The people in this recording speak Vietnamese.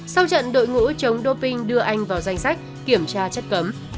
sau trận đội ngũ chống doping đưa anh vào danh sách kiểm tra chất cấm